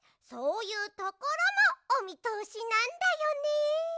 そういうところもおみとおしなんだよね。